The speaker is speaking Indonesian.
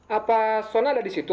apa sona ada di situ